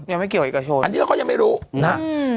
ยังไม่เกี่ยวเอกชนอันนี้เราก็ยังไม่รู้นะฮะ